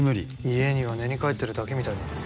家には寝に帰ってるだけみたいだな